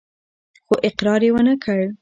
خو اقرار يې ونه کړ.